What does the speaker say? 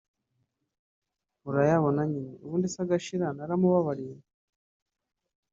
urayabona nyine ubundi agashira […] Naramubabariye